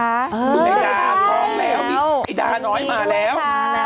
ดูดาท้องแล้วอีดาน้อยมาแล้ว